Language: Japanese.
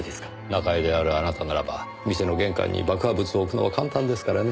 仲居であるあなたならば店の玄関に爆破物を置くのは簡単ですからね。